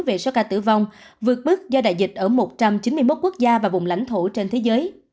về số ca tử vong vượt bước do đại dịch ở một trăm chín mươi một quốc gia và vùng lãnh thổ trên thế giới